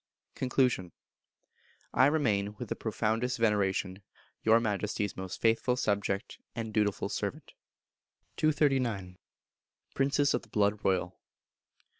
Conclusion. I remain, with the profoundest veneration, Your Majesty's most faithful subject and dutiful servant. 239. Princes of the Blood Royal.